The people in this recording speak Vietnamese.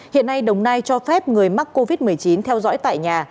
hiện nay đồng nai cho phép người mắc covid một mươi chín theo dõi tại nhà